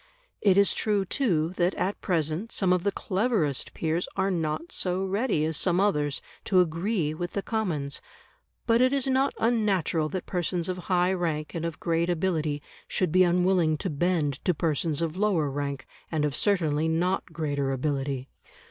It is true, too, that at present some of the cleverest peers are not so ready as some others to agree with the Commons. But it is not unnatural that persons of high rank and of great ability should be unwilling to bend to persons of lower rank, and of certainly not greater ability.